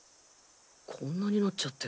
こんなになっちゃって。